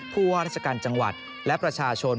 ผู้ว่าราชการจังหวัดและประชาชน